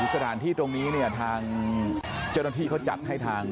สถานที่ตรงนี้เนี่ยทางเจ้าหน้าที่เขาจัดให้ทาง